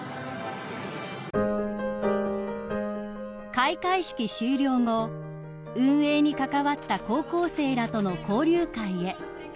［開会式終了後運営に関わった高校生らとの交流会へ］